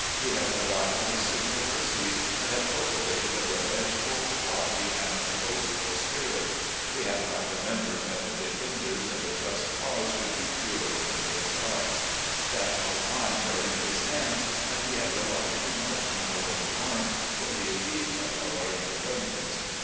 We have forgotten His signal mercies, and have cultivated a revengeful, haughty, and boastful spirit. We have not remembered that the defenders of a just cause should be piu*e in His eyes ; that ' our times are io6 RECOLLECTIONS OP GENERAL LEE in His hands,' and we have relied too much on our own arms for the achievement of our independence.